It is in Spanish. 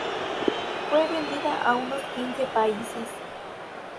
Fue vendida a unos quince países.